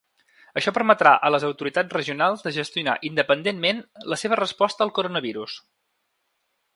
Això permetrà a les autoritats regionals de gestionar independentment la seva resposta al coronavirus.